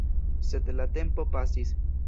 Sed la tempo pasis.